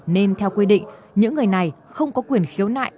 nên theo quy định những người này không có quyền khiếu nại